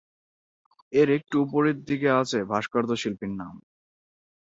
এর একটু উপরের দিকে আছে ভাস্কর্য শিল্পীর নাম।